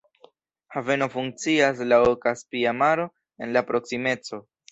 Haveno funkcias laŭ Kaspia Maro en la proksimeco.